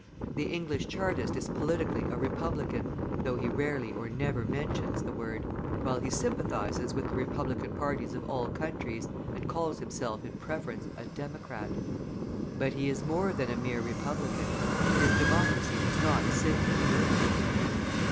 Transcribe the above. The English Chartist is politically a republican, though he rarely or never mentions the word, while he sympathises with the republican parties of all countries, and calls himself in preference a democrat. But he is more than a mere republican, his democracy is not simply political.